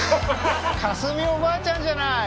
架純おばあちゃんじゃない。